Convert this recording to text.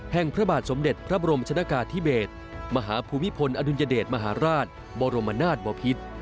พระบาทสมเด็จพระบรมชนกาธิเบศมหาภูมิพลอดุลยเดชมหาราชบรมนาศบพิษ